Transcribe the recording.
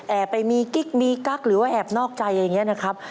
ไปมีกิ๊กมีกั๊กหรือว่าแอบนอกใจอะไรอย่างนี้นะครับ